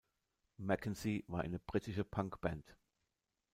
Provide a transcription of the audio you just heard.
Mackenzie war eine britische Punkband.